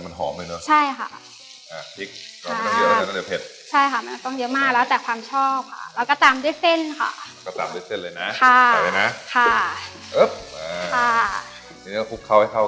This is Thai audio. อันนี้เราจะชอบใช่ค่ะ